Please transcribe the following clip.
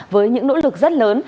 với những nỗ lực rất lớn